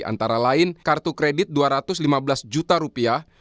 antara lain kartu kredit dua ratus lima belas juta rupiah